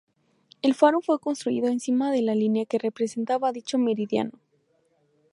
El faro fue construido encima de la línea que representaba dicho meridiano.